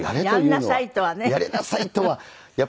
「やりなさい」とはね。